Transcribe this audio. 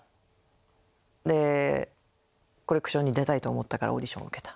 でコレクションに出たいと思ったからオーディションを受けた。